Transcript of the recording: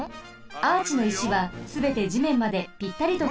アーチの石はすべてじめんまでぴったりとくっついています。